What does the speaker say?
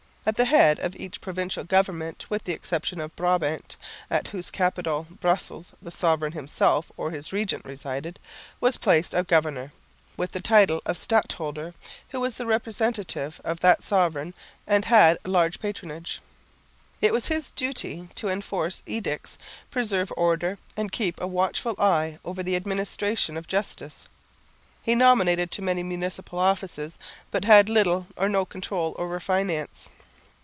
At the head of each provincial government (with the exception of Brabant, at whose capital, Brussels, the sovereign himself or his regent resided) was placed a governor, with the title of Stadholder, who was the representative of the sovereign and had large patronage. It was his duty to enforce edicts, preserve order, and keep a watchful eye over the administration of justice. He nominated to many municipal offices, but had little or no control over finance.